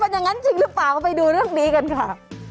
อย่างนั้นจริงหรือเปล่าก็ไปดูเรื่องนี้กันค่ะ